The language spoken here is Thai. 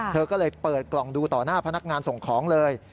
เธอก็เลยเปิดกล่องดูต่อหน้าพนักงานส่งของเลย